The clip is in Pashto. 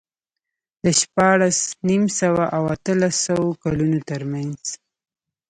د شپاړس نیم سوه او اتلس سوه کلونو ترمنځ